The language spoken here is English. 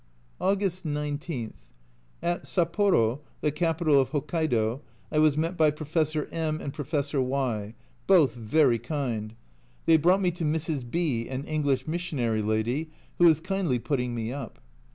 August 19. At Sapporo, the capital of Hokkaido, I was met by Professor My and Professor Y ; both very kind. They brought me to Mrs. B , an English missionary lady, who is kindly putting me up.